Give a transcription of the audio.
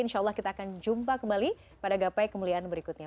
insya allah kita akan jumpa kembali pada gapai kemuliaan berikutnya